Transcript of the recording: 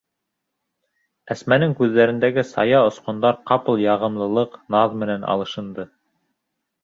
Әсмәнең күҙҙәрендәге сая осҡондар ҡапыл яғымлылыҡ, наҙ менән алышынды.